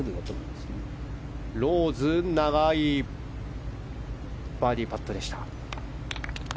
ローズは長いバーディーパットでした。